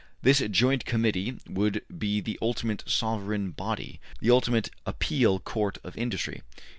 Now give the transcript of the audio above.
This Joint Committee would be the ultimate sovereign body, the ultimate appeal court of industry.